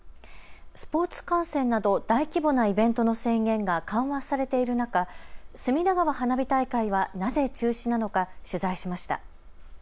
スポーツ観戦など大規模なイベントの制限が緩和されている中、隅田川花火大会はなぜ中止なのか、取材しました。